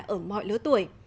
ở mọi lứa tuổi